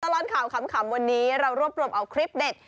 ตลอดข่าวขำวันนี้เรารวบรวมเอาคลิปเด็ด